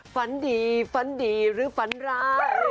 ฝันดีฝันดีหรือฝันร้าย